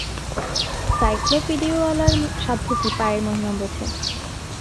সাইক্লোপীডিয়াওয়ালার সাধ্য কী পায়ের মহিমা বোঝে।